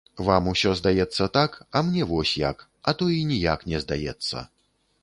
Вам усё здаецца так, а мне вось як, а то і ніяк не здаецца.